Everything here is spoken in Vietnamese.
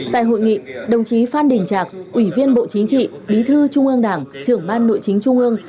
tại hội nghị đồng chí phan đình trạc ủy viên bộ chính trị bí thư trung ương đảng trưởng ban nội chính trung ương